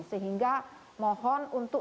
sehingga mohon untuk